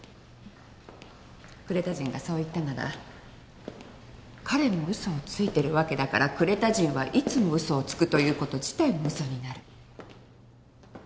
クレタ人がそう言ったなら彼も嘘をついてるわけだから「クレタ人はいつも嘘をつく」ということ自体も嘘になる。